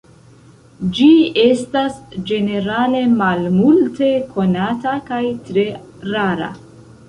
Ĝi estas ĝenerale malmulte konata kaj tre rara.